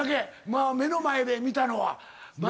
まあ目の前で見たのは。